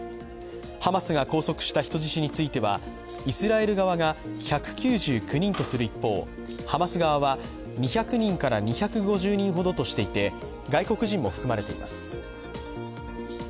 ハマスが拘束した人質についてはイスラエル側が１９９人とする一方、ハマス側は２００人から２５０人ほどとしていて、外国人も含まれています。